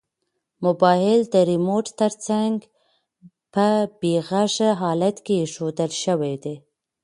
موبایل د ریموټ تر څنګ په بې غږه حالت کې ایښودل شوی دی.